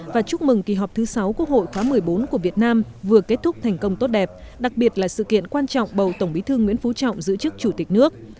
vừa kết thúc thành công tốt đẹp đặc biệt là sự kiện quan trọng bầu tổng bí thương nguyễn phú trọng giữ chức chủ tịch nước